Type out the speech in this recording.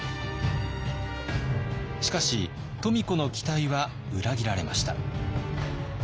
しかし富子の期待は裏切られました。